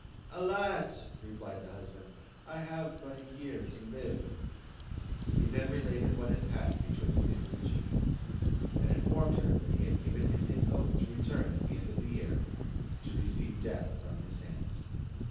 "Alas!" replied the husband, "I have but a year to live." He then related what had passed betwixt him and the genie, and informed her that he had given him his oath to return at the end of the year, to receive death from his hands.